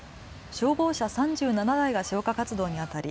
消防車３７台が消火活動にあたり